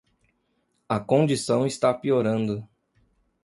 A condição está piorando